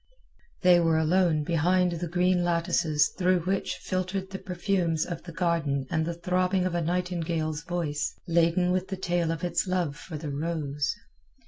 They were alone behind the green lattices through which filtered the perfumes of the garden and the throbbing of a nightingale's voice laden with the tale of its love for the rose.